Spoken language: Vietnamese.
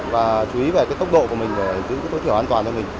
và chú ý về cái tốc độ của mình để giữ tối thiểu an toàn cho mình